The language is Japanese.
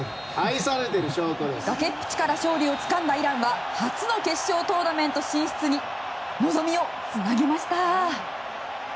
崖っぷちから勝利をつかんだイランは初めての決勝トーナメント進出に望みをつなぎました。